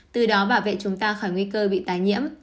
từ đó bảo vệ chúng ta khỏi nguy cơ bị tái nhiễm